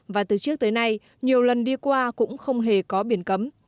và từ trước tới nay nhiều lần đi qua cũng không hề có biển cấm